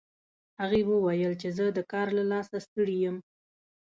هغې وویل چې زه د کار له لاسه ستړي یم